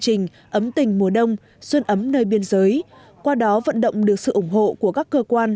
trình ấm tình mùa đông xuân ấm nơi biên giới qua đó vận động được sự ủng hộ của các cơ quan